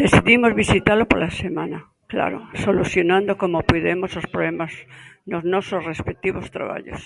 Decidimos visitalo pola semana, claro, solucionando como puidemos os problemas nos nosos respectivos traballos.